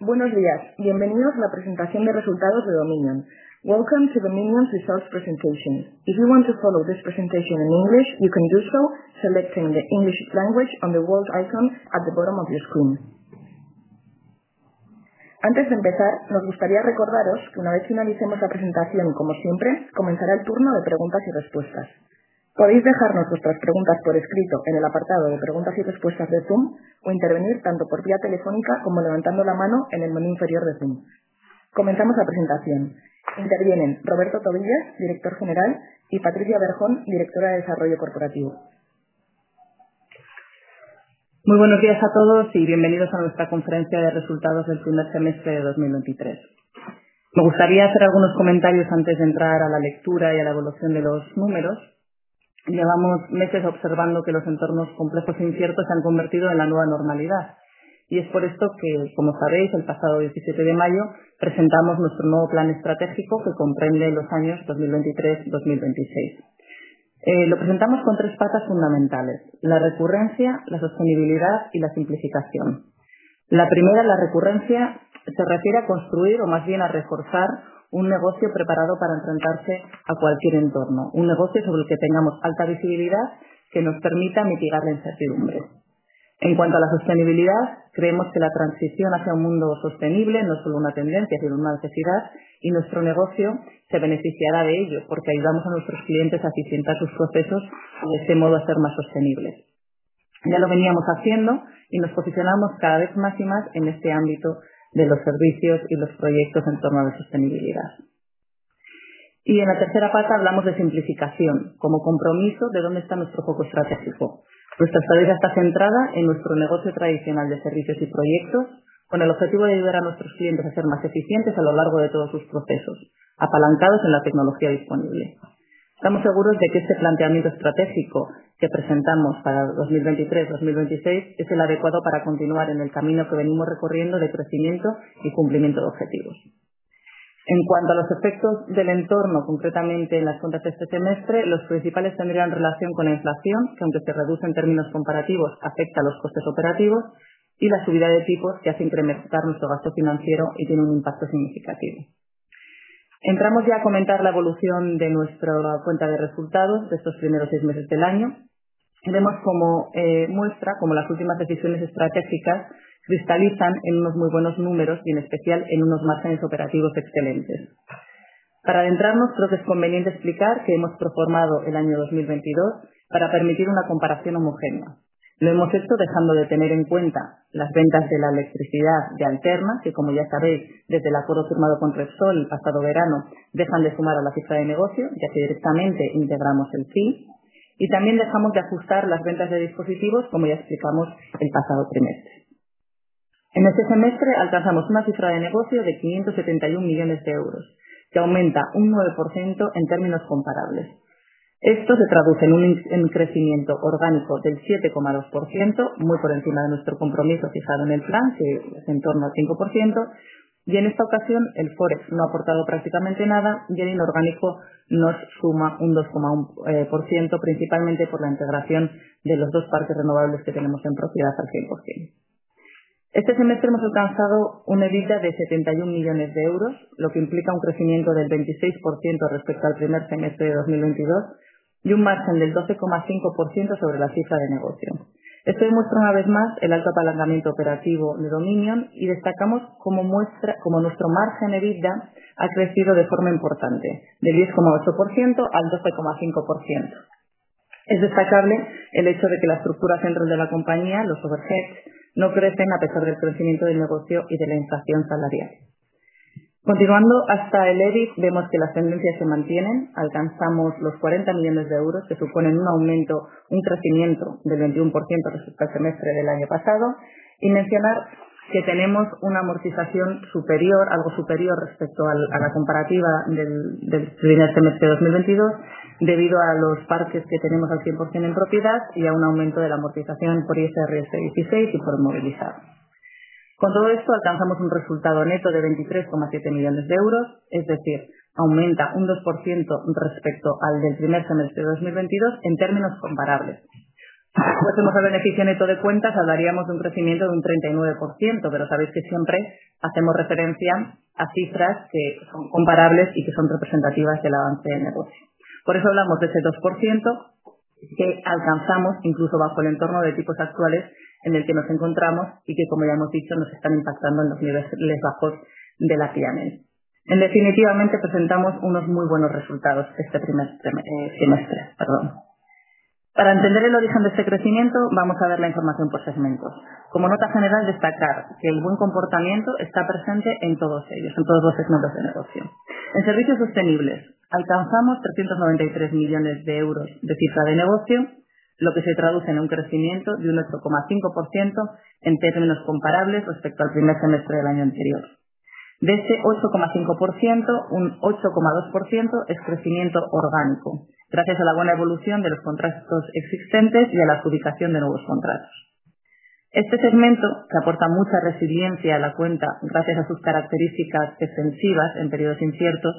Buenos días, bienvenidos a la presentación de resultados de Dominion. Welcome to Dominion results presentation. If you want to follow this presentation in English, you can do so selecting the English language on the world icon at the bottom of your screen. Antes de empezar, nos gustaría recordaros que una vez finalicemos la presentación, como siempre, comenzará el turno de preguntas y respuestas. Podéis dejarnos vuestras preguntas por escrito en el apartado de preguntas y respuestas de Zoom, o intervenir tanto por vía telefónica como levantando la mano en el menú inferior de Zoom. Comenzamos la presentación. Intervienen Roberto Tobillas, Director General, y Patricia Berjón, Directora de Desarrollo Corporativo. Muy buenos días a todos y bienvenidos a nuestra conferencia de resultados del primer semestre de 2023. Me gustaría hacer algunos comentarios antes de entrar a la lectura y a la evolución de los números. Llevamos meses observando que los entornos complejos e inciertos se han convertido en la nueva normalidad. Es por esto que, como sabéis, el pasado 17 de mayo presentamos nuestro nuevo plan estratégico, que comprende los años 2023-2026. Lo presentamos con three patas fundamentales: la recurrencia, la sostenibilidad y la simplificación. La primera, la recurrencia, se refiere a construir, o más bien a reforzar, un negocio preparado para enfrentarse a cualquier entorno, un negocio sobre el que tengamos alta visibilidad, que nos permita mitigar la incertidumbre. En cuanto a la sostenibilidad, creemos que la transición hacia un mundo sostenible no es solo una tendencia, sino una necesidad, y nuestro negocio se beneficiará de ello, porque ayudamos a nuestros clientes a eficientar sus procesos y, de este modo, a ser más sostenibles. Ya lo veníamos haciendo y nos posicionamos cada vez más y más en este ámbito de los servicios y los proyectos en torno a la sostenibilidad. En la tercera pata hablamos de simplificación, como compromiso de dónde está nuestro foco estratégico. Nuestra estrategia está centrada en nuestro negocio tradicional de servicios y proyectos, con el objetivo de ayudar a nuestros clientes a ser más eficientes a lo largo de todos sus procesos, apalancados en la tecnología disponible. Estamos seguros de que este planteamiento estratégico que presentamos para 2023-2026 es el adecuado para continuar en el camino que venimos recorriendo, de crecimiento y cumplimiento de objetivos. En cuanto a los efectos del entorno, concretamente en las cuentas de este semestre, los principales tendrían relación con la inflación, que aunque se reduce en términos comparativos, afecta a los costes operativos, y la subida de tipos, que hace incrementar nuestro gasto financiero y tiene un impacto significativo. Entramos ya a comentar la evolución de nuestra cuenta de resultados de estos primeros 6 meses del año. Vemos cómo muestra, cómo las últimas decisiones estratégicas cristalizan en unos muy buenos números y, en especial, en unos márgenes operativos excelentes. Para adentrarnos, creo es conveniente explicar que hemos proformado el año 2022 para permitir una comparación homogénea. Lo hemos hecho dejando de tener en cuenta las ventas de la electricidad de Alterna, que, como ya sabéis, desde el acuerdo firmado con Repsol el pasado verano, dejan de sumar a la cifra de negocio, ya que directamente integramos el PIB, y también dejamos de ajustar las ventas de dispositivos, como ya explicamos el pasado trimestre. En este semestre alcanzamos una cifra de negocio de 571 million euros, que aumenta un 9% en términos comparables. Esto se traduce en un crecimiento orgánico del 7.2%, muy por encima de nuestro compromiso fijado en el plan, que es en torno al 5%. En esta ocasión el Forex no ha aportado prácticamente nada y el inorgánico nos suma un 2.1%, principalmente por la integración de los dos parques renovables que tenemos en propiedad al 100%. Este semestre hemos alcanzado un EBITDA de 71 million, lo que implica un crecimiento del 26% respecto al primer semestre de 2022 y un margen del 12.5% sobre la cifra de negocio. Esto demuestra una vez más el alto apalancamiento operativo de Dominion y destacamos cómo muestra, cómo nuestro margen EBITDA ha crecido de forma importante, de 10.8% al 12.5%. Es destacable el hecho de que las estructuras centros de la compañía, los overhead, no crecen a pesar del crecimiento del negocio y de la inflación salarial. Continuando hasta el EBIT, vemos que las tendencias se mantienen. Alcanzamos los 40 million euros, que suponen un aumento, un crecimiento, del 21% respecto al semestre del año pasado, y mencionar que tenemos una amortización superior, algo superior, respecto al, a la comparativa del primer semestre de 2022, debido a los parques que tenemos al 100% en propiedad y a un aumento de la amortización por IFRS 16 y por movilizar. Con todo esto, alcanzamos un resultado neto de 23.7 million euros, es decir, aumenta un 2% respecto al del first half of 2022 en términos comparables. Si vemos el beneficio neto de cuentas, hablaríamos de un crecimiento de un 39%, pero sabéis que siempre hacemos referencia a cifras que son comparables y que son representativas del avance de negocio. Por eso hablamos de ese 2%, que alcanzamos incluso bajo el entorno de tipos actuales en el que nos encontramos y que, como ya hemos dicho, nos están impactando en los niveles bajos de la PNL. En definitivamente, presentamos unos muy buenos resultados este primer trimestre, perdón. Para entender el origen de este crecimiento, vamos a ver la información por segmentos. Como nota general, destacar que el buen comportamiento está presente en todos ellos, en todos los segmentos de negocio. En Servicios Sostenibles alcanzamos 393 million euros de cifra de negocio, lo que se traduce en un crecimiento de un 8.5% en términos comparables respecto al primer semestre del año anterior. De este 8.5%, un 8.2% es crecimiento orgánico, gracias a la buena evolución de los contratos existentes y a la adjudicación de nuevos contratos. Este segmento, que aporta mucha resiliencia a la cuenta gracias a sus características defensivas en periodos inciertos,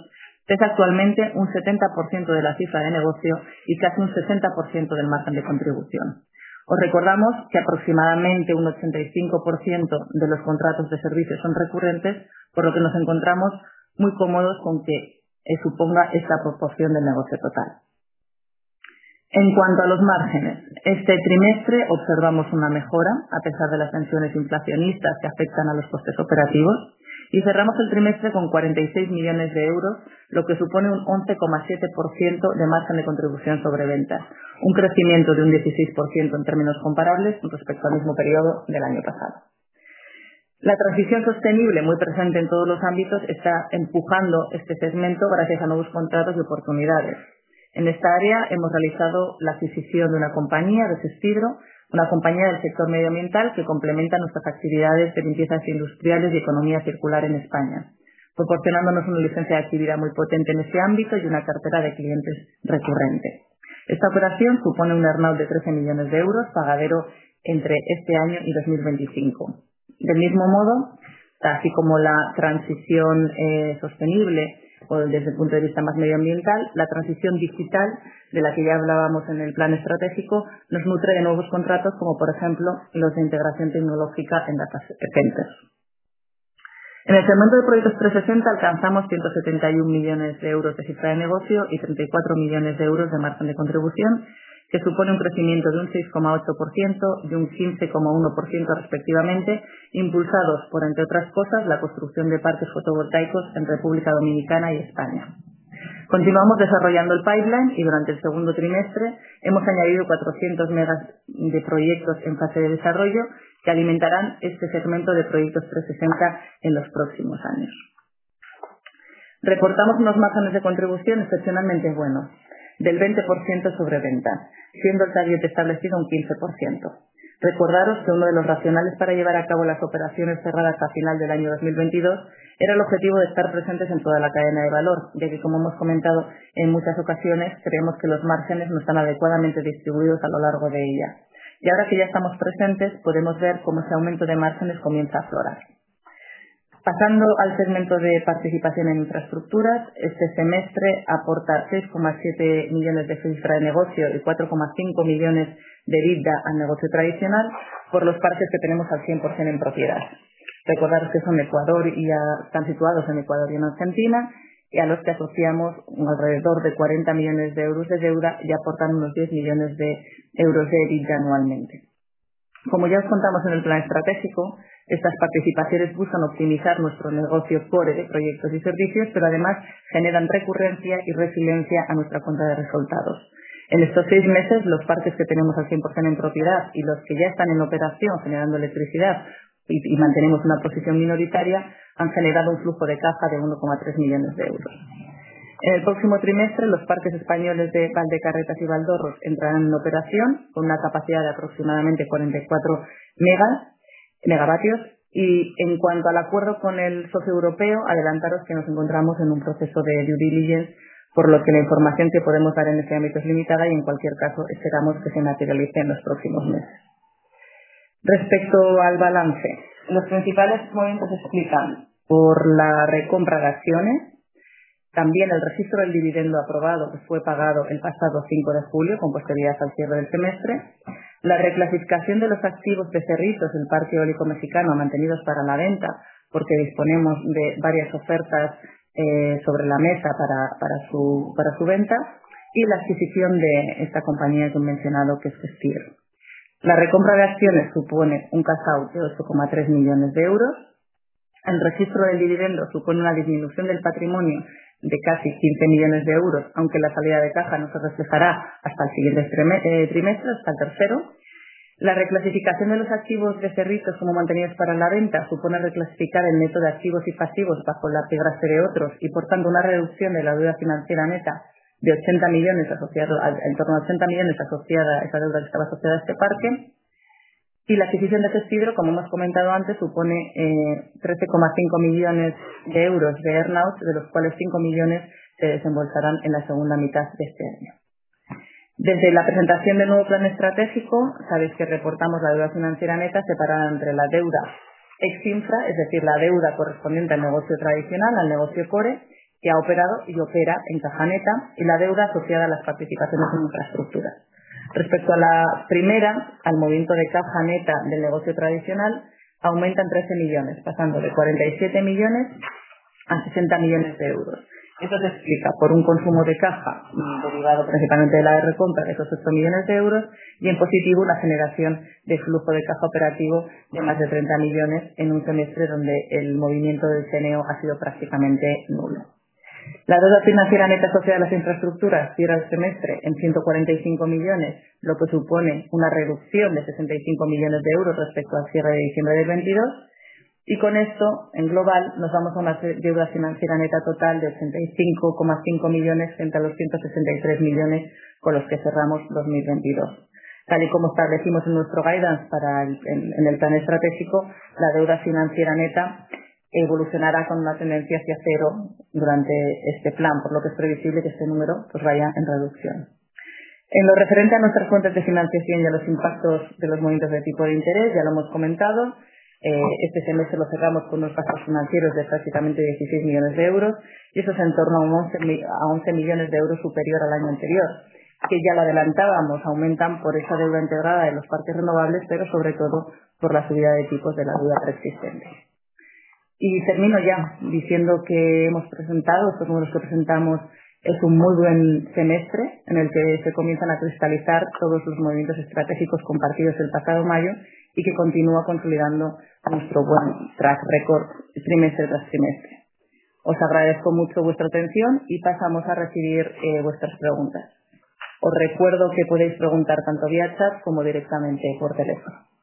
es actualmente un 70% de la cifra de negocio y casi un 60% del margen de contribución. Os recordamos que aproximadamente un 85% de los contratos de servicios son recurrentes, por lo que nos encontramos muy cómodos con que suponga esta proporción del negocio total. En cuanto a los márgenes, este trimestre observamos una mejora, a pesar de las tensiones inflacionistas que afectan a los costes operativos, y cerramos el trimestre con 46 million euros, lo que supone un 11.7% de margen de contribución sobre ventas, un crecimiento de un 16% en términos comparables respecto al mismo periodo del año pasado. La transición sostenible, muy presente en todos los ámbitos, está empujando este segmento gracias a nuevos contratos y oportunidades. En esta área hemos realizado la adquisición de una compañía, de Cespiro, una compañía del sector medioambiental que complementa nuestras actividades de limpieza industriales y economía circular en España, proporcionándonos una licencia de actividad muy potente en este ámbito y una cartera de clientes recurrentes. Esta operación supone un earn-out de 13 million euros, pagadero entre este año y 2025. Así como la transición sostenible o desde el punto de vista más medioambiental, la transición digital, de la que ya hablábamos en el plan estratégico, nos nutre de nuevos contratos, como por ejemplo, los de integración tecnológica en data centers. En el segmento de Proyectos 360º, alcanzamos 171 million euros de cifra de negocio y 34 million euros de margen de contribución, que supone un crecimiento de un 6.8% y de un 15.1%, respectivamente, impulsados por, entre otras cosas, la construcción de parques fotovoltaicos en República Dominicana y España. Continuamos desarrollando el pipeline y, durante el segundo trimestre, hemos añadido 400 MW de proyectos en fase de desarrollo, que alimentarán este segmento de Proyectos 360º en los próximos años. Reportamos unos márgenes de contribución excepcionalmente buenos, del 20% sobre ventas, siendo el target establecido un 15%. Recordaros que uno de los racionales para llevar a cabo las operaciones cerradas a final del año 2022, era el objetivo de estar presentes en toda la cadena de valor, ya que, como hemos comentado en muchas ocasiones, creemos que los márgenes no están adecuadamente distribuidos a lo largo de ella. Ahora que ya estamos presentes, podemos ver cómo ese aumento de márgenes comienza a aflorar. Pasando al segmento de participación en infraestructuras, este semestre aporta 3.7 million de cifra de negocio y 4.5 million de EBITDA al negocio tradicional, por los parques que tenemos al 100% en propiedad. Recordaros que son Ecuador y están situados en Ecuador y en Argentina, y a los que asociamos alrededor de 40 million euros de deuda y aportan unos 10 million euros de EBITDA anualmente. Como ya os contamos en el plan estratégico, estas participaciones buscan optimizar nuestro negocio core de proyectos y servicios, además generan recurrencia y resiliencia a nuestra cuenta de resultados. En estos seis meses, los parques que tenemos al 100% en propiedad y los que ya están en operación, generando electricidad y mantenemos una posición minoritaria, han generado un flujo de caja de 1.3 million euros. En el próximo trimestre, los parques españoles de Valdecarretas y Valdorros entrarán en operación con una capacidad de aproximadamente 44 megavatios. En cuanto al acuerdo con el socio europeo, adelantaros que nos encontramos en un proceso de due diligence, por lo que la información que podemos dar en este ámbito es limitada y, en cualquier caso, esperamos que se materialice en los próximos meses. Respecto al balance, los principales movimientos se explican por la recompra de acciones, también el registro del dividendo aprobado, que fue pagado el pasado 5 de julio, con posterioridad al cierre del semestre, la reclasificación de los activos de Cerritos, el parque eólico mexicano, mantenidos para la venta, porque disponemos de varias ofertas sobre la mesa para su venta, y la adquisición de esta compañía que os he mencionado, que es Cespiro. La recompra de acciones supone un cash out de 8.3 million euros. El registro del dividendo supone una disminución del patrimonio de casi 15 million euros, aunque la salida de caja no se reflejará hasta el siguiente trimestre, hasta el tercero. La reclasificación de los activos de Cerritos como mantenidos para la venta, supone reclasificar el neto de activos y pasivos bajo la figura de otros, y, por tanto, una reducción de la deuda financiera neta de 80 millones, asociado a en torno a 80 millones, asociada a esa deuda que estaba asociada a este parque. La adquisición de Cespiro, como hemos comentado antes, supone 13.5 millones euros de earn-out, de los cuales EUR 5 millones se desembolsarán en la second half de este año. Desde la presentación del nuevo plan estratégico, sabéis que reportamos la deuda financiera neta separada entre la deuda ex infra, es decir, la deuda correspondiente al negocio tradicional, al negocio core, que ha operado y opera en caja neta, y la deuda asociada a las participaciones en infraestructuras. Respecto a la primera, al movimiento de caja neta del negocio tradicional, aumenta en 13 million, pasando de 47 million a 60 million euros. Esto se explica por un consumo de caja, derivado básicamente de la recompra, de esos 8 million euros, y en positivo, la generación de flujo de caja operativo de más de 30 million, en un semestre donde el movimiento del CNO ha sido prácticamente nulo. La deuda financiera neta asociada a las infraestructuras cierra el semestre en 145 million, lo que supone una reducción de 65 million euros respecto al cierre de December 2022, y con esto, en global, nos vamos a una deuda financiera neta total de 85.5 million, frente a los 163 million con los que cerramos 2022. Tal y como establecimos en nuestro guidance para el plan estratégico, la deuda financiera neta evolucionará con una tendencia hacia 0 durante este plan, por lo que es previsible que este número, pues vaya en reducción. En lo referente a nuestras fuentes de financiación y a los impactos de los movimientos de tipo de interés, ya lo hemos comentado. Este semestre lo cerramos con unos cash flow financiero de prácticamente 16 million euros, y eso es en torno a 11 million euros superior al año anterior, que ya lo adelantábamos, aumentan por esa deuda integrada de los parques renovables, pero sobre todo, por la subida de tipos de la deuda preexistente. Termino ya diciendo que hemos presentado, o por lo menos que presentamos, es un muy buen semestre, en el que se comienzan a cristalizar todos los movimientos estratégicos compartidos el pasado May, y que continúa consolidando a nuestro buen track record, trimestre tras trimestre. Os agradezco mucho vuestra atención y pasamos a recibir vuestras preguntas. Os recuerdo que podéis preguntar tanto vía chat como directamente por teléfono.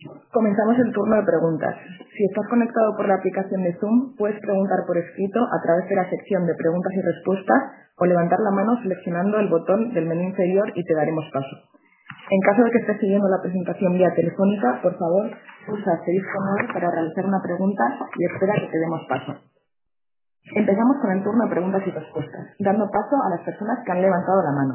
Comenzamos el turno de preguntas. Si estás conectado por la aplicación de Zoom, puedes preguntar por escrito a través de la sección de preguntas y respuestas, o levantar la mano seleccionando el botón del menú inferior y te daremos paso. En caso de que estés siguiendo la presentación vía telefónica, por favor, pulsa 6.9 para realizar una pregunta y espera que te demos paso. Empezamos con el turno de preguntas y respuestas, dando paso a las personas que han levantado la mano.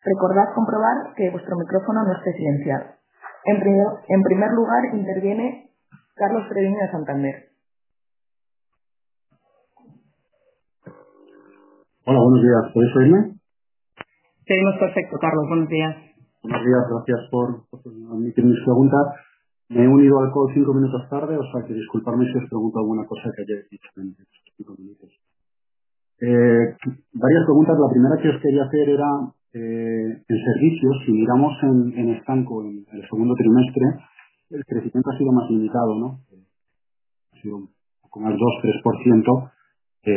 Recordad comprobar que vuestro micrófono no esté silenciado. En primer lugar, interviene Carlos Predine, de Santander. Hola, buenos días, ¿puedes oírme? Te oímos perfecto, Carlos. Buenos días. Buenos días, gracias por permitirme mis preguntas. Me he unido a la call 5 minutos tarde, os ruego disculparme si os pregunto alguna cosa que hayáis dicho en esos 5 minutos. Varias preguntas, la primera que os quería hacer era, en servicios, si miramos en estanco, en el 2Q, el crecimiento ha sido más limitado, ¿no? Ha sido 1.2, 3%,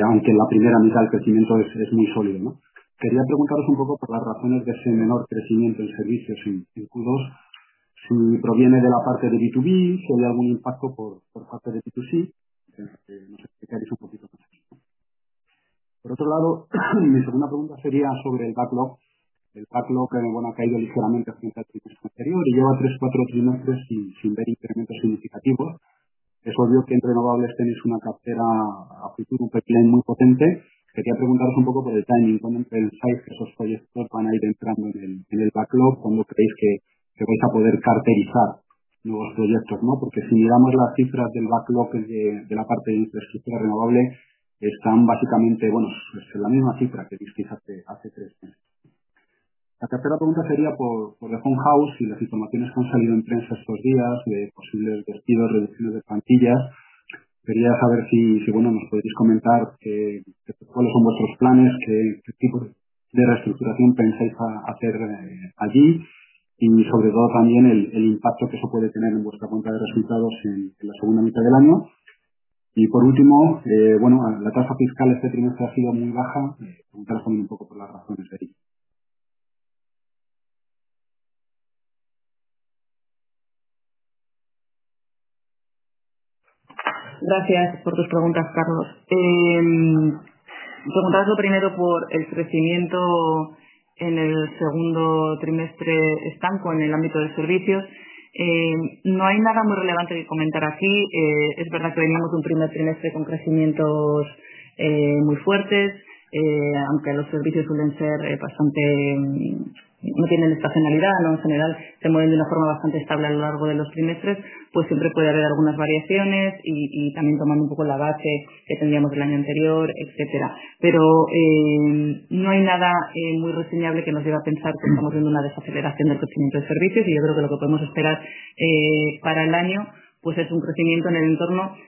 aunque en la primera mitad el crecimiento es muy sólido, ¿no? Quería preguntaros un poco por las razones de ese menor crecimiento en servicios en Q2, si proviene de la parte de B2B, si hay algún impacto por parte de B2C, que haréis un poquito más. Por otro lado, mi segunda pregunta sería sobre el backlog. El backlog, bueno, ha caído ligeramente respecto al trimestre anterior y lleva 3, 4 trimestres sin ver incrementos significativos. Es obvio que en renovables tenéis una cartera a futuro, pipeline, muy potente. Quería preguntaros un poco por el timing, cuándo pensáis que esos proyectos van a ir entrando en el backlog, cuándo creéis que vais a poder carterizar nuevos proyectos, ¿no? Porque si miramos las cifras del backlog de la parte de infraestructura renovable, están básicamente, bueno, es la misma cifra que visteis hace 3 meses. La tercera pregunta sería por el Phone House y las informaciones que han salido en prensa estos días, de posibles despidos, reducciones de plantilla. Quería saber si, bueno, nos podéis comentar, eh, cuáles son vuestros planes, qué tipo de reestructuración pensáis hacer, eh, allí. Sobre todo, también, el impacto que eso puede tener en vuestra cuenta de resultados en la segunda mitad del año. Por último, la tasa fiscal este trimestre ha sido muy baja, me preguntaba un poco por las razones de ello. Gracias por tus preguntas, Carlos. Contestando primero por el crecimiento en el segundo trimestre estanco, en el ámbito de servicios, no hay nada muy relevante que comentar aquí. Es verdad que veníamos de un primer trimestre con crecimientos muy fuertes, aunque los servicios suelen ser bastante, no tienen estacionalidad, ¿no? En general, se mueven de una forma bastante estable a lo largo de los trimestres, pues siempre puede haber algunas variaciones y también tomando un poco la base que tendríamos el año anterior, etcétera. No hay nada muy reseñable que nos lleve a pensar que estamos viendo una desaceleración del crecimiento de servicios, y yo creo que lo que podemos esperar para el año, pues es un crecimiento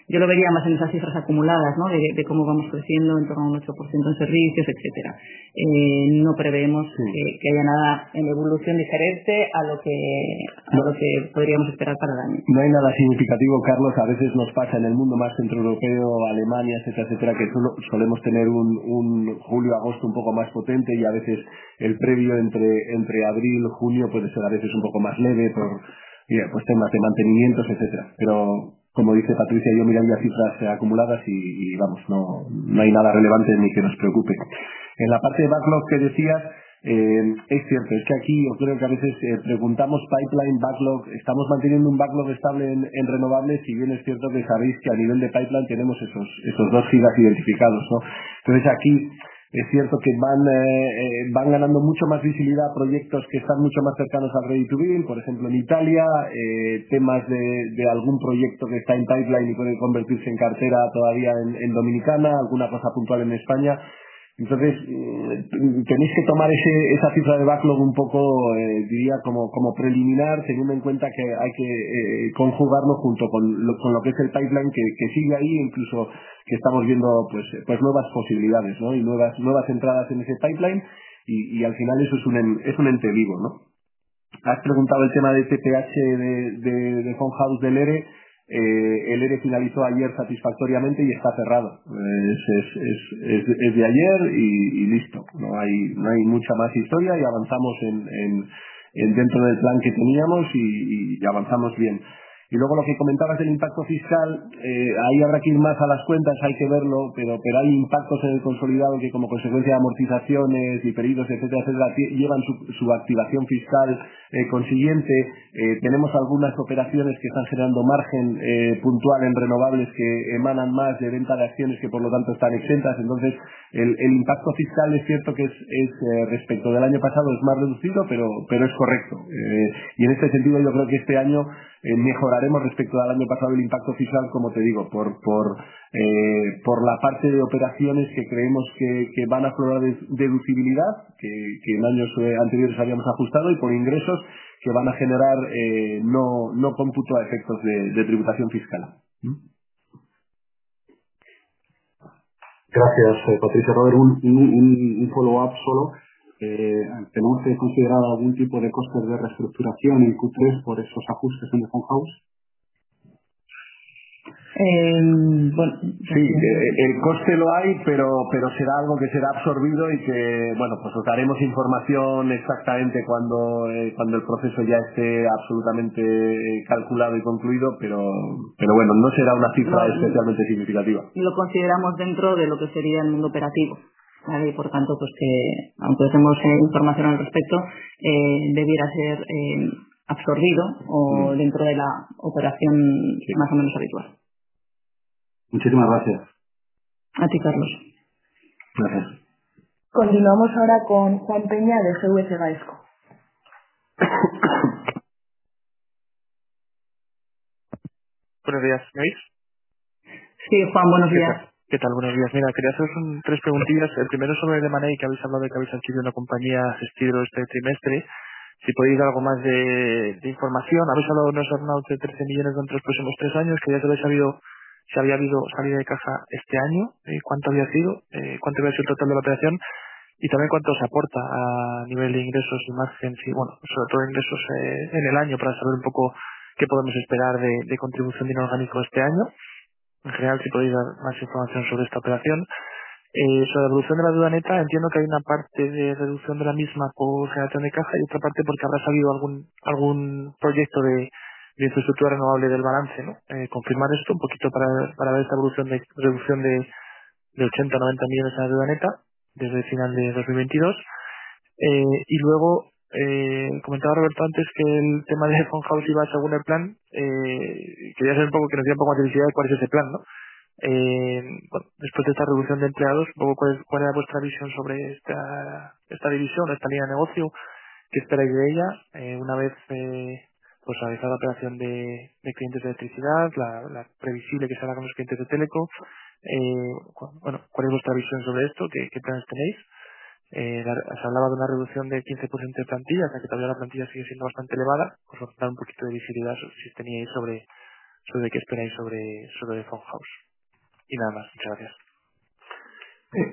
yo lo vería más en esas cifras acumuladas, ¿no? De cómo vamos creciendo en torno a un 8% en servicios, etcétera. No prevemos que haya nada en la evolución diferente a lo que podríamos esperar para el año. No hay nada significativo, Carlos. A veces nos pasa en el mundo más centroeuropeo, Alemania, etcétera, que solemos tener un julio, agosto, un poco más potente, y a veces el previo, entre abril, junio, pues se ve a veces un poco más leve, por, yeah, pues temas de mantenimientos, etcétera. Pero como dice Patricia, yo miraría cifras acumuladas y vamos, no hay nada relevante ni que nos preocupe. En la parte de backlog que decías, es cierto, es que aquí yo creo que a veces preguntamos pipeline, backlog. Estamos manteniendo un backlog estable en renovables, si bien es cierto que sabéis que a nivel de pipeline tenemos esos 2 gigas identificados, ¿no? Aquí es cierto que van ganando mucho más visibilidad proyectos que están mucho más cercanos al ready-to-build, por ejemplo, en Italia, temas de algún proyecto que está en pipeline y puede convertirse en cartera todavía en Dominicana, alguna cosa puntual en España. Tenéis que tomar ese, esa cifra de backlog un poco, diría, como preliminar, teniendo en cuenta que hay que conjugarlo junto con lo que es el pipeline, que sigue ahí, incluso que estamos viendo pues nuevas posibilidades, ¿no? Nuevas entradas en ese pipeline, y al final eso es un ente vivo, ¿no? Has preguntado el tema de TTH, de Phone House, del ERE. El ERE finalizó ayer satisfactoriamente y está cerrado. Es de ayer y listo, no hay mucha más historia y avanzamos en dentro del plan que teníamos y avanzamos bien. Luego, lo que comentabas del impacto fiscal, ahí habrá que ir más a las cuentas, hay que verlo, pero hay impactos en el consolidado, que como consecuencia de amortizaciones, diferidos, etcétera, llevan su activación fiscal consiguiente. Tenemos algunas operaciones que están generando margen puntual en renovables, que emanan más de venta de acciones, que, por lo tanto, están exentas. El impacto fiscal es cierto que es respecto del año pasado, es más reducido, pero es correcto. En este sentido, yo creo que este año, mejoraremos respecto al año pasado, el impacto fiscal, como te digo, por la parte de operaciones que creemos que van a probar deducibilidad, que en años anteriores habíamos ajustado, y por ingresos que van a generar, no cómputo a efectos de tributación fiscal.... Gracias, Patricia. Roberto, un follow-up solo. ¿Tenéis considerado algún tipo de coste de reestructuración en Q3 por estos ajustes en Phone House? Bueno, sí, el coste lo hay, pero será algo que será absorbido y que, bueno, pues os daremos información exactamente cuando cuando el proceso ya esté absolutamente calculado y concluido. Pero, bueno, no será una cifra especialmente significativa. Lo consideramos dentro de lo que sería el mundo operativo, ¿vale? Por tanto, pues que, aunque os demos información al respecto, debiera ser absorbido dentro de la operación más o menos habitual. Muchísimas gracias. A ti, Carlos. Gracias. Continuamos ahora con Juan Peña, de GVC Gaesco. Buenos días, ¿maís? Sí, Juan, buenos días. ¿Qué tal? Buenos días. Mira, quería haceros 3 preguntillas. El primero sobre M&A, que habéis hablado de que habéis adquirido una compañía, Cespiro, este trimestre, si podéis dar algo más de información. Habéis hablado de unos earn-out de 13 million dentro de los próximos 3 años, quería saber si ha habido salida de caja este año, y cuánto había sido el total de la operación, y también cuánto se aporta a nivel de ingresos y márgenes, y, bueno, sobre todo ingresos en el año, para saber un poco qué podemos esperar de contribución inorgánico este año. En general, si podéis dar más información sobre esta operación. Sobre la reducción de la deuda neta, entiendo que hay una parte de reducción de la misma por generación de caja y otra parte, porque habrá salido algún proyecto de infraestructura renovable del balance, ¿no? Confirmar esto, un poquito, para ver esa evolución de reducción de 80 million-90 million en la deuda neta, desde final de 2022. Luego, comentaba Roberto antes que el tema de Phone House iba según el plan, y quería saber un poco, que nos diera un poco más de detalles de cuál es ese plan, ¿no? Bueno, después de esta reducción de empleados, un poco, ¿cuál es vuestra visión sobre esta división, esta línea de negocio? ¿Qué esperáis de ella, una vez, pues, además de la operación de clientes de electricidad, la previsible que se haga con los clientes de teleco? Bueno, ¿cuál es vuestra visión sobre esto? ¿Qué planes tenéis? Se hablaba de una reducción de 15% de plantilla, o sea, que todavía la plantilla sigue siendo bastante elevada. Os faltaba un poquito de visibilidad, si teníais sobre qué esperáis sobre Phone House. Nada más, muchas gracias.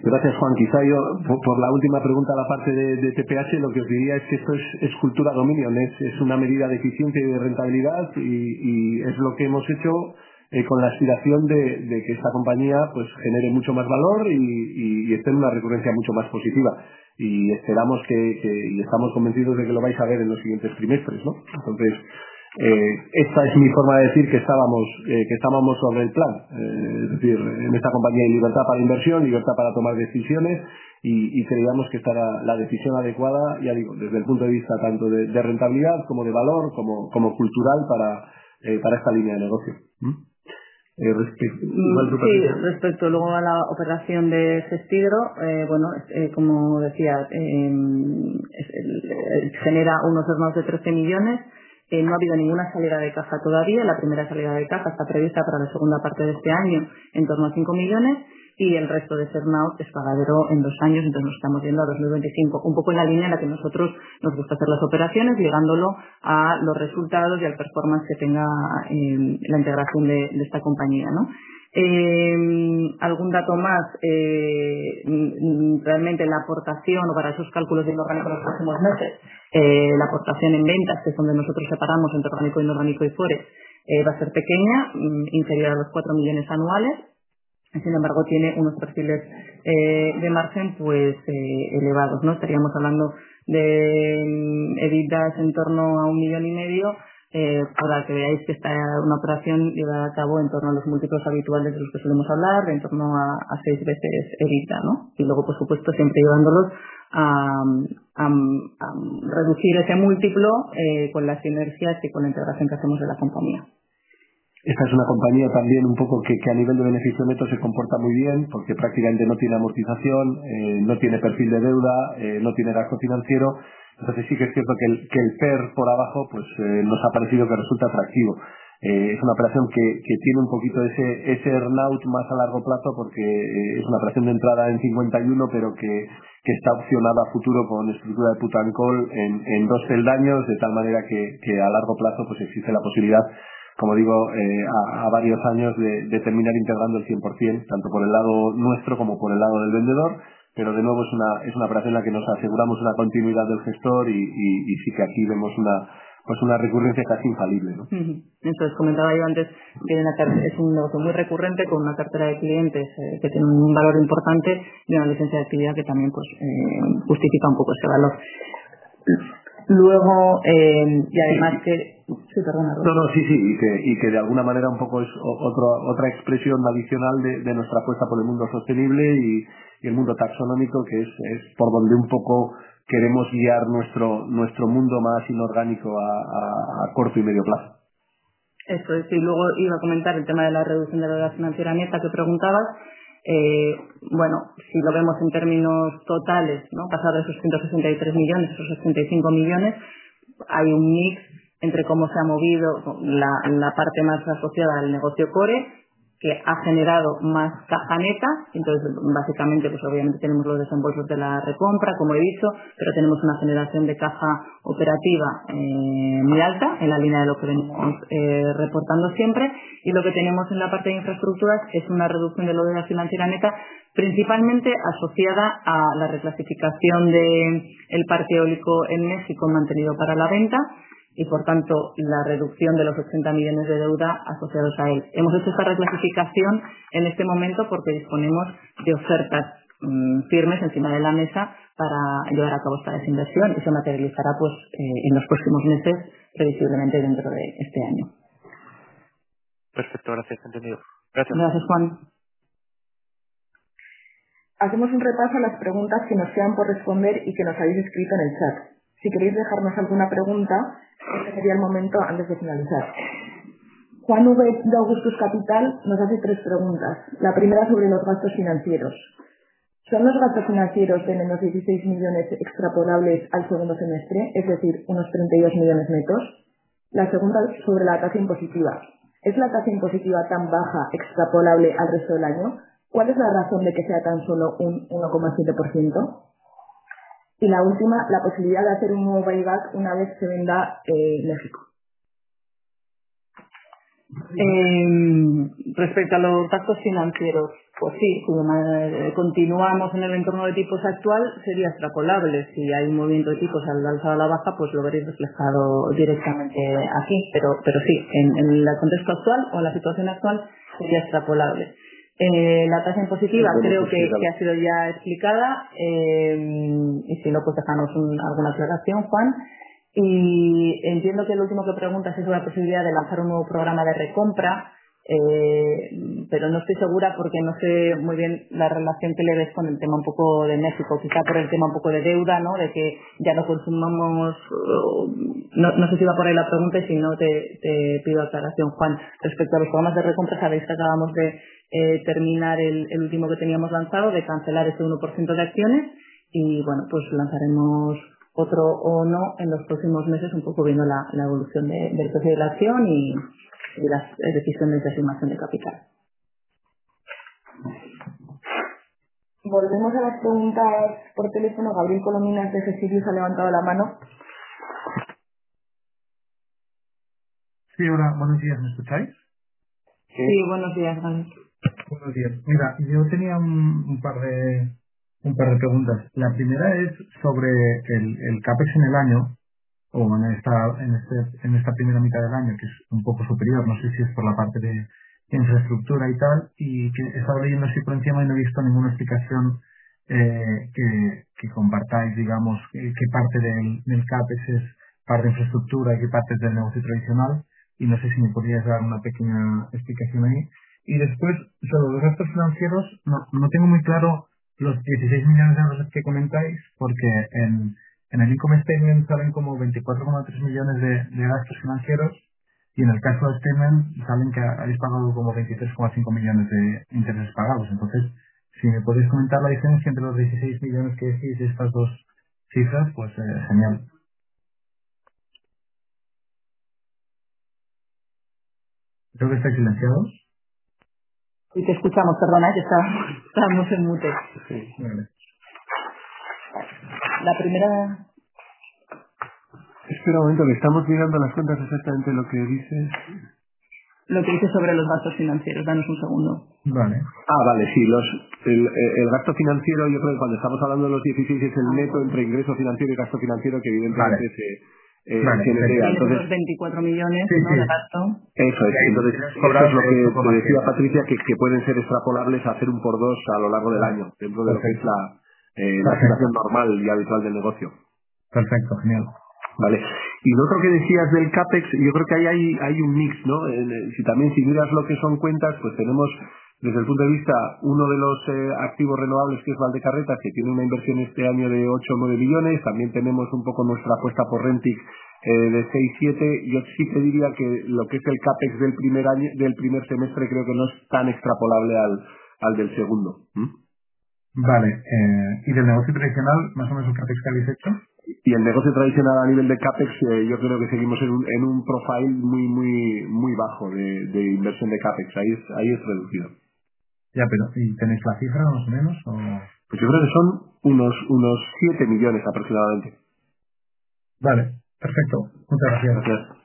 Gracias, Juan. Quizá yo, por la última pregunta, la parte de TPH, lo que os diría es que esto es cultura Dominion, es una medida de eficiencia y de rentabilidad, y es lo que hemos hecho con la aspiración de que esta compañía, pues genere mucho más valor y esté en una recurrencia mucho más positiva. Esperamos y estamos convencidos de que lo vais a ver en los siguientes trimestres, ¿no? Esta es mi forma de decir que estábamos sobre el plan. Es decir, en esta compañía hay libertad para la inversión y libertad para tomar decisiones, y creíamos que esta era la decisión adecuada, ya digo, desde el punto de vista, tanto de rentabilidad, como de valor, como cultural, para esta línea de negocio. Eh, respecto- Respecto, luego, a la operación de Cespiro, como decía, genera unos earn-out de 13 million. No ha habido ninguna salida de caja todavía, la primera salida de caja está prevista para la segunda parte de este año, en torno a 5 million, y el resto de earn-out es pagadero en 2 years. Estamos yendo a 2025, un poco en la línea en la que a nosotros nos gusta hacer las operaciones, ligándolo a los resultados y al performance que tenga la integración de esta compañía. Algún dato más, realmente, la aportación para esos cálculos de inorgánico los próximos años, la aportación en ventas, que es donde nosotros separamos entre orgánico, inorgánico y fuera, va a ser pequeña, inferior a los 4 million annual. Sin embargo, tiene unos perfiles, de margen, pues, elevados, ¿no? Estaríamos hablando de EBITDA en torno a EUR 1.5 million, para que veáis que esta es una operación llevada a cabo en torno a los múltiplos habituales de los que solemos hablar, en torno a 6 veces EBITDA, ¿no? Luego, por supuesto, siempre ayudándonos a reducir ese múltiplo con las sinergias y con la integración que hacemos de la compañía. Esta es una compañía, también, un poco, que a nivel de beneficio neto se comporta muy bien, porque prácticamente no tiene amortización, no tiene perfil de deuda, no tiene gasto financiero. Sí que es cierto que el PER por abajo, pues, nos ha parecido que resulta atractivo. Es una operación que tiene un poquito ese earn-out más a largo plazo, porque es una operación de entrada en 51, pero que está opcionada a futuro, con estructura de put and call, en 2 años, de tal manera que a largo plazo, pues existe la posibilidad, como digo, a varios años, de terminar integrando el 100%, tanto por el lado nuestro como por el lado del vendedor. De nuevo, es una operación en la que nos aseguramos la continuidad del gestor y sí que aquí vemos una, pues una recurrencia casi infalible, ¿no? comentaba yo antes que era una cartera. Es un negocio muy recurrente, con una cartera de clientes, que tiene un valor importante y una licencia de actividad que también, pues, justifica un poco ese valor. Sí, perdona, Roberto Tobías. No, no, sí. De alguna manera, un poco, es otra expresión adicional de nuestra apuesta por el mundo sostenible y el mundo taxonómico, que es por donde un poco queremos guiar nuestro mundo más inorgánico a corto y medio plazo. Eso es. Luego iba a comentar el tema de la reducción de la deuda financiera neta, que preguntabas. Bueno, si lo vemos en términos totales, ¿no? Pasar de esos 163 million a esos 85 million. Hay un mix entre cómo se ha movido la parte más asociada al negocio core, que ha generador más caja neta. Básicamente, obviamente tenemos los desembolsos de la recompra, como he dicho, pero tenemos una generación de caja operativa muy alta, en la línea de lo que venimos reportando siempre. Lo que tenemos en la parte de infraestructuras es una reducción de la deuda financiera neta, principalmente asociada a la reclasificación de el parque eólico en México, mantenido para la venta, y, por tanto, la reducción de los 80 million de deuda asociados a él. Hemos hecho esta reclasificación en este momento, porque disponemos de ofertas, firmes encima de la mesa, para llevar a cabo esa desinversión, y se materializará, pues, en los próximos meses, previsiblemente, dentro de este año. Perfecto, gracias, entendido. Gracias. Gracias, Juan. Hacemos un repaso a las preguntas que nos quedan por responder y que nos habéis escrito en el chat. Si queréis dejarnos alguna pregunta, este sería el momento, antes de finalizar. Juan Urech, de Augustus Capital, nos hace 3 preguntas. La primera, sobre los gastos financieros: ¿Son los gastos financieros de menos 16 million extrapolables al segundo semestre, es decir, unos 32 million netos? La segunda es sobre la tasa impositiva: ¿Es la tasa impositiva tan baja extrapolable al resto del año? ¿Cuál es la razón de que sea tan solo un 1.7%? La última, la posibilidad de hacer un nuevo payback una vez se venda México. Respecto a los gastos financieros, pues sí, si continuamos en el entorno de tipos actual, sería extrapolable. Si hay un movimiento de tipos al alza o a la baja, pues lo veréis reflejado directamente aquí. Pero sí, en el contexto actual o en la situación actual, sería extrapolable. La tasa impositiva creo que ha sido ya explicada. Y si no, pues háganos alguna aclaración, Juan. Entiendo que lo último que preguntas es sobre la posibilidad de lanzar un nuevo programa de recompra, pero no estoy segura, porque no sé muy bien la relación que le ves con el tema un poco de México, quizá por el tema un poco de deuda, ¿no? De que ya no consumamos, no sé si va por ahí la pregunta y, si no, te pido aclaración. Juan, respecto a los programas de recompra, sabéis que acabamos de terminar el último que teníamos lanzado, de cancelar ese 1% de acciones, y, bueno, pues lanzaremos otro o no en los próximos meses, un poco viendo la evolución del precio de la acción y las decisiones de asignación de capital. Volvemos a las preguntas por teléfono. Gabriel Colomina, de GS, ha levantado la mano. Sí, hola, buenos días, ¿me escucháis? Sí, buenos días, Gabriel. Buenos días. Mira, yo tenía un par de preguntas. La primera es sobre el CapEx en el año, o en esta primera mitad de año, que es un poco superior, no sé si es por la parte de infraestructura y tal, y que he estado leyendo la circunstancia y no he visto ninguna explicación que compartáis, digamos, qué parte del CapEx es parte de infraestructura y qué parte es del negocio tradicional. Y no sé si me podrías dar una pequeña explicación allí. Después sobre los gastos financieros, no tengo muy claro los 16 million euros que comentáis, porque en el income statement salen como 24.3 million de gastos financieros, y en el caso de TenneT, salen que habéis pagado como 23.5 million de intereses pagados. Si me podéis comentar la diferencia entre los 16 million que decís y estas dos cifras, pues, genial. Creo que está silenciado. Sí, te escuchamos. Perdona, que estábamos en mute. Sí, gracias. La primera... Espera un momento, que estamos mirando las cuentas, exactamente lo que dices. Lo que dice sobre los gastos financieros. Danos un segundo. Vale. vale, sí. el gasto financiero, yo creo que cuando estamos hablando de 16, es el neto entre ingreso financiero y gasto financiero. Vale... eh, tiene- Los 24 millones Sí, sí.... de gasto. Eso es. Lo que, como decía Patricia, que pueden ser extrapolables a hacer un por dos a lo largo del año, dentro de lo que es la. Gracias... la situación normal y habitual del negocio. Perfecto, genial. Vale, y lo otro que decías del CapEx, yo creo que ahí hay un mix, ¿no? Si también, si miras lo que son cuentas, pues tenemos, desde el punto de vista, uno de los, activos renovables, que es Valdecarretas, que tiene una inversión este año de 8 o 9 million. También tenemos un poco nuestra apuesta por Rentik, de 6, 7 million, y yo sí te diría que lo que es el CapEx del primer año, del primer semestre, creo que no es tan extrapolable al del segundo, ¿mhm? Vale, y del negocio tradicional, más o menos, ¿el CapEx que habéis hecho? El negocio tradicional, a nivel de CapEx, yo creo que seguimos en un profile muy bajo de inversión de CapEx. Ahí es reducido. Ya, pero, ¿y tenéis la cifra, más o menos, o no? Yo creo que son unos 7 million, aproximadamente. Vale, perfecto. Muchas gracias. De nada.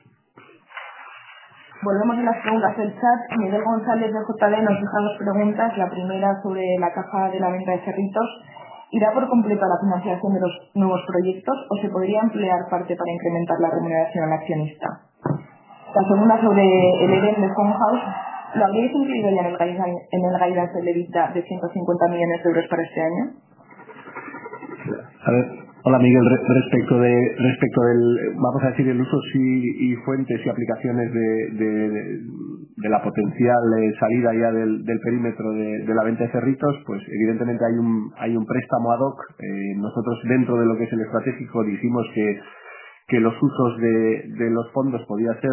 Volvemos a las preguntas del chat. Miguel González, de Ojeda, nos deja 2 preguntas. La primera, sobre la caja de la venta de Cerritos: ¿Irá por completo a la financiación de los nuevos proyectos o se podría emplear parte para incrementar la remuneración al accionista? La segunda, sobre el área de Steelcon: ¿lo habríais incluido ya en el guidance, en el guidance de EBITDA de 150 million euros para este año? A ver. Hola, Miguel, respecto del, vamos a decir, el usos y fuentes y aplicaciones de la potencial salida ya del perímetro de la venta de Cerritos, pues evidentemente, hay un préstamo ad hoc. Nosotros, dentro de lo que es el estratégico, dijimos que los flujos de los fondos podía ser,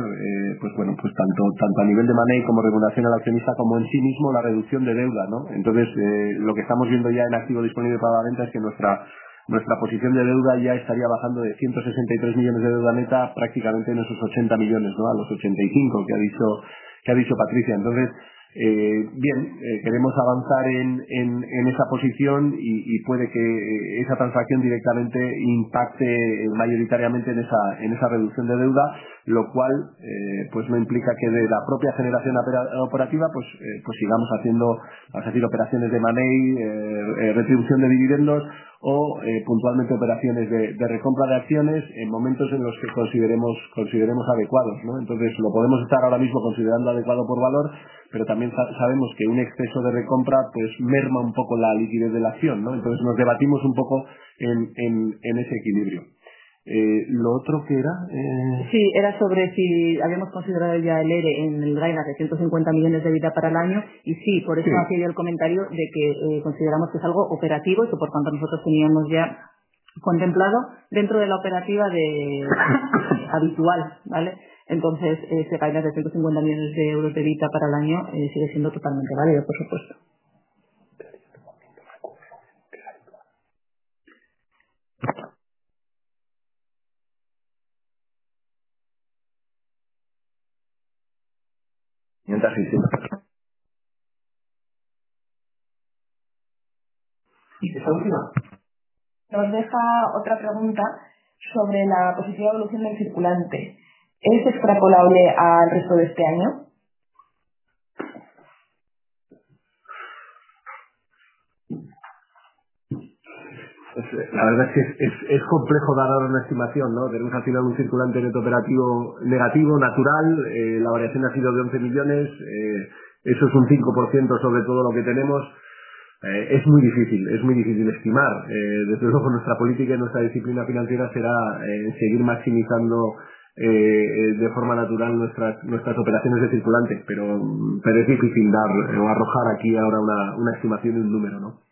pues bueno, pues tanto a nivel de money, como remuneración al accionista, como en sí mismo, la reducción de deuda, ¿no? Lo que estamos viendo ya en activo disponible para la venta, es que nuestra posición de deuda ya estaría bajando de 163 million de deuda neta, prácticamente en esos 80 million, ¿no? A los 85, que ha dicho Patricia. Bien, queremos avanzar en esa posición y puede que esa transacción directamente impacte mayoritariamente en esa, en esa reducción de deuda, lo cual, pues no implica que de la propia generación operativa, pues sigamos haciendo, vamos a decir, operaciones de money, retribución de dividendos o, puntualmente, operaciones de recompra de acciones, en momentos en los que consideremos adecuados, ¿no? Lo podemos estar ahora mismo considerando adecuado por valor, pero también sabemos que un exceso de recompra, pues merma un poco la liquidez de la acción, ¿no? Nos debatimos un poco en ese equilibrio. ¿Lo otro qué era? Sí, era sobre si habíamos considerado ya el ERE en el guidance de 150 million de EBITDA para el año. Sí, por eso hacía el comentario de que consideramos que es algo operativo y que, por tanto, nosotros teníamos ya contemplado dentro de la operativa habitual. Ese guidance de 150 million euros de EBITDA para el año, sigue siendo totalmente válido, por supuesto. Otra, Cristina? César, diga. Nos deja otra pregunta sobre la positiva evolución del circulante: ¿es extrapolable al resto de este año? La verdad es que es complejo dar una estimación, ¿no? Tenemos ha sido un circulante neto operativo negativo, natural. La variación ha sido de EUR 11 million, eso es un 5% sobre todo lo que tenemos. Es muy difícil estimar. Desde luego, nuestra política y nuestra disciplina financiera será seguir maximizando de forma natural nuestras operaciones de circulante, pero es difícil dar o arrojar aquí ahora una estimación y un número, ¿no?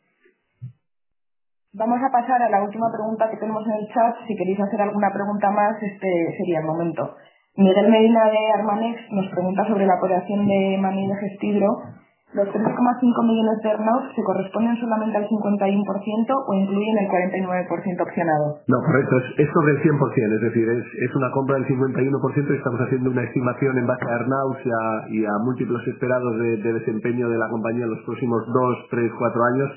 Vamos a pasar a la última pregunta que tenemos en el chat. Si queréis hacer alguna pregunta más, este sería el momento. Miguel Medina, de Armanext, nos pregunta sobre la población de mini-grid: ¿los 3.5 million se corresponden solamente al 51% o incluyen el 49% opcionado? No, correcto, eso es del 100%. Es decir, es una compra del 51% y estamos haciendo una estimación en base a earnings y a múltiplos esperados de desempeño de la compañía en los próximos 2, 3, 4 años,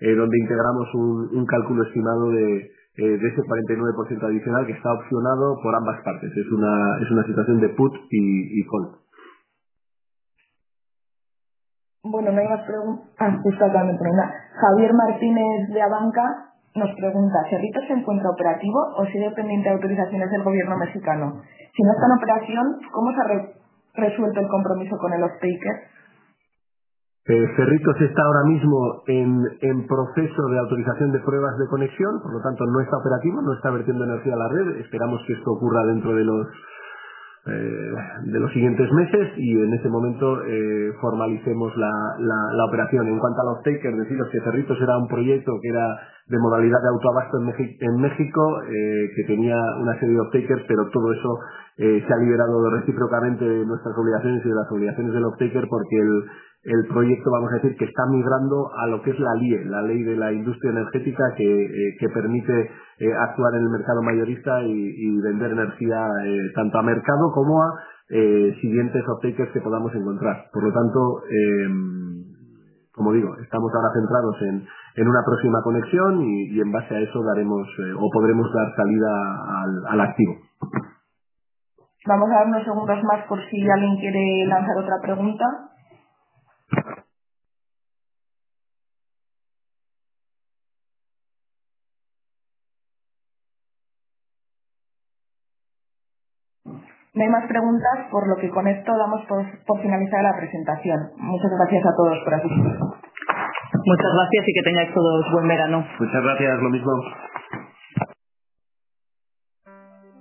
donde integramos un cálculo estimado de ese 49% adicional, que está opcionado por ambas partes. Es una situación de put y call. No hay más. Justo acaba de poner una. Javier Martínez, de Abanca, nos pregunta: ¿Cerritos se encuentra operativo o sigue pendiente de autorizaciones del gobierno mexicano? Si no está en operación, ¿cómo se resuelta el compromiso con el offtaker? Cerritos está ahora mismo en proceso de autorización de pruebas de conexión, por lo tanto, no está operativo, no está vertiendo energía a la red. Esperamos que esto ocurra dentro de los siguientes meses y en ese momento formalicemos la operación. En cuanto a los offtaker, deciros que Cerritos era un proyecto que era de modalidad de autoabasto en México, que tenía una serie de offtaker, pero todo eso se ha liberado recíprocamente, nuestras obligaciones y las obligaciones del offtaker, porque el proyecto, vamos a decir, que está migrando a lo que es la LIE, la Ley de la Industria Eléctrica, que permite actuar en el mercado mayorista y vender energía tanto a mercado, como a siguientes offtakers que podamos encontrar. Por lo tanto. como digo, estamos ahora centrados en una próxima conexión y en base a eso, daremos o podremos dar salida al activo. Vamos a dar unos segundos más, por si alguien quiere lanzar otra pregunta. No hay más preguntas. Con esto damos por finalizada la presentación. Muchas gracias a todos por asistir. Muchas gracias y que tengáis todos buen verano. Muchas gracias, lo mismo.